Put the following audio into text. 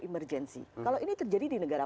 emergensi kalau ini terjadi di negara